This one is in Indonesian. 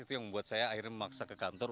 itu yang membuat saya akhirnya memaksa ke kantor